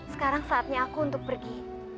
sekarang saatnya aku untuk pergi